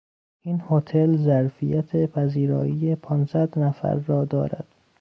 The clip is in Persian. این هتل ظرفیت پذیرایی پانصد نفر را دارد.